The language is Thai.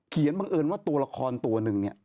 เขียนบังเอิญว่าตัวละครตัวนึงเนี่ย